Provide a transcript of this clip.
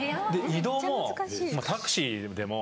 移動もタクシーでも。